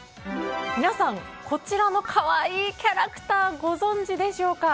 皆さん、こちらの可愛いキャラクターご存じでしょうか。